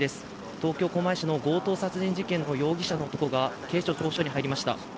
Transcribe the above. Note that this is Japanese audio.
東京・狛江市の強盗殺人事件の容疑者の男が警視庁調布署に入りました。